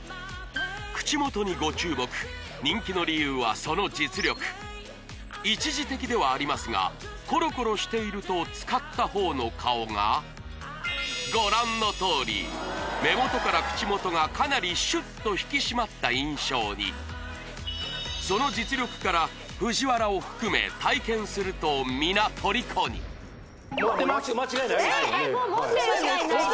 口元にご注目人気の理由はその実力一時的ではありますがコロコロしていると使った方の顔がご覧のとおり目元から口元がかなりシュッと引き締まった印象にその実力からＦＵＪＩＷＡＲＡを含め体験すると皆虜にえっえっもう持ってるんですか？